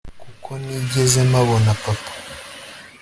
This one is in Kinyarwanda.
kuko ntigeze mpabona papa